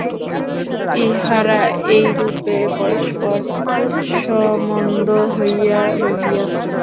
ইহারা এইরূপে পরস্পর-সম্বন্ধ হইয়া রহিয়াছে।